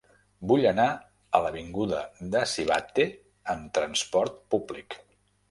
Vull anar a l'avinguda de Sivatte amb trasport públic.